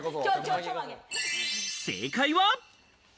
正解は。